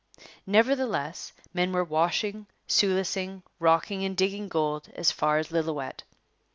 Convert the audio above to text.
Nevertheless, men were washing, sluicing, rocking, and digging gold as far as Lillooet.